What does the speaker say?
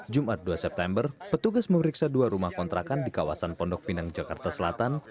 jumat dua september petugas memeriksa dua rumah kontrakan di kawasan pondok pinang jakarta selatan